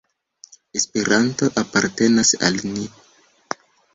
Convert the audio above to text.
Esperanto apartenas al ni.